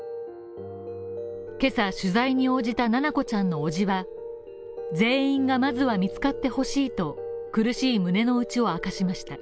今朝、取材に応じた七菜子ちゃんの伯父は全員がまずは見つかってほしいと苦しい胸の内を明かしました。